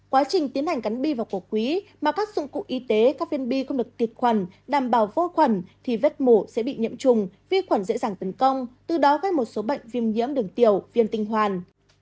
quá trình tiến hành cắn bi vào cổ quý mà các dụng cụ y tế các viên bi không được tiệt khuẩn đảm bảo vô khuẩn thì vết mổ sẽ bị nhiễm trùng vi khuẩn dễ dàng tấn công từ đó gây một số bệnh viêm nhiễm đường tiểu viên tinh hoàn